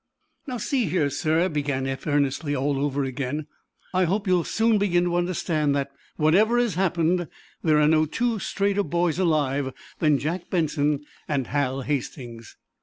"Now, see here, sir," began Eph, earnestly, all over again. "I hope you'll soon begin to understand that, whatever has happened, there are no two straighter boys alive than Jack Benson and Hal Hastings."